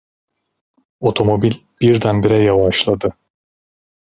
Otomobil birdenbire yavaşladı.